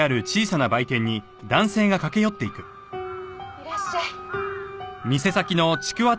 いらっしゃい。